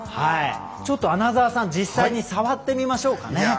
ちょっと、穴澤さん実際に触ってみましょうかね。